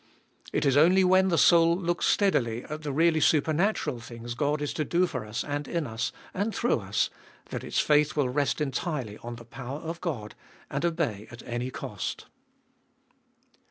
It Is only when the soul looks steadily at the really supernatural things Bod is to do for us and in us and through us, that its faith will rest entirely on the power of Qod, and obey at any cost.